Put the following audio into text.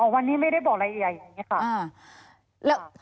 วันนี้ไม่ได้บอกรายละเอียดอย่างนี้ค่ะ